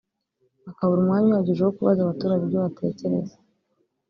bakabura umwanya uhagije wo kubaza abaturage ibyo batekereza